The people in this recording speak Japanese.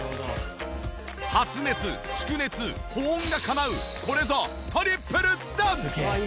発熱蓄熱保温がかなうこれぞトリプル暖。